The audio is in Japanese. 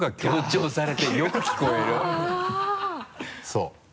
そう。